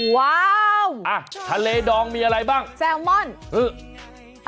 ว้าวอ่ะทะเลดองมีอะไรบ้างแซลมอน